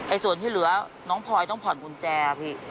ส่วนที่เหลือน้องพลอยต้องผ่อนกุญแจพี่